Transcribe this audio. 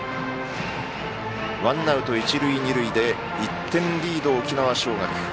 ワンアウト一塁二塁で１点リード、沖縄尚学。